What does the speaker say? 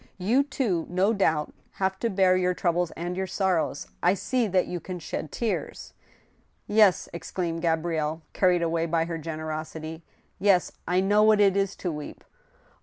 You too, no doubt, have to bear your troubles and your sorrows. I see that you can shed tears." " Yes," exclaimed Gabrielle, carried away by her generosity —" yes, I know what it is to weep. Oh